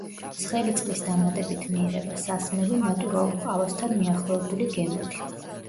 ცხელი წყლის დამატებით მიიღება სასმელი, ნატურალურ ყავასთან მიახლოებული გემოთი.